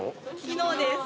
昨日です。